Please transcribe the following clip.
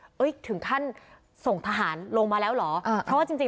เนี่ยเอ้ายถึงท่านส่งทหารลงมาแล้วเหรอเพราะว่าจริงจริง